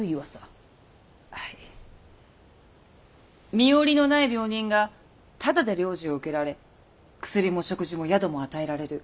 身寄りのない病人がタダで療治を受けられ薬も食事も宿も与えられる。